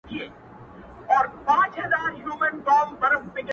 د خرې څټه ورکه شه، د ښځي گټه ورکه شه.